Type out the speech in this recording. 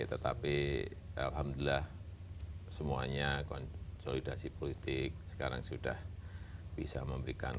tetapi alhamdulillah semuanya konsolidasi politik sekarang sudah bisa memberikan